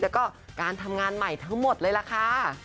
แล้วก็การทำงานใหม่ทั้งหมดเลยล่ะค่ะ